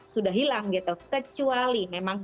sudah hilang gitu kecuali memang